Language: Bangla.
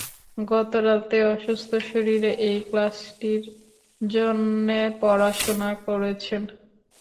গত রাতে অসুস্থ শরীরে এই ক্লাসটির জন্যে পড়াশোনা করেছেন।